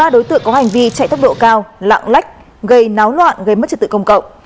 một mươi ba đối tượng có hành vi chạy thấp độ cao lạng lách gây náo loạn gây mất trực tự công cộng